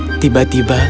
tiba tiba ia terima